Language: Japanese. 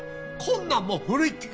こんなんもう古いって！